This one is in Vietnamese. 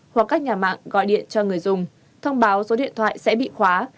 hoặc các nhà mạng gọi điện cho người dùng thông báo số điện thoại sẽ bị khóa